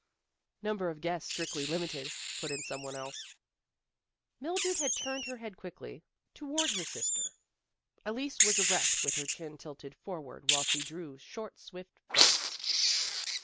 " Number of guests strictly limited," put in some one else. Mildred had turned her head quickly For the Honor of the Class 161 toward her sister. Elise was erect with her chin tilted forward while she drew short, swift breaths.